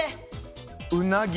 うなぎ。